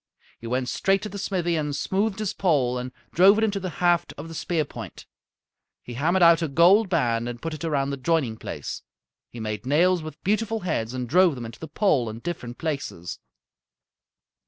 He went straight to the smithy and smoothed his pole and drove it into the haft of the spear point. He hammered out a gold band and put it around the joining place. He made nails with beautiful heads and drove them into the pole in different places.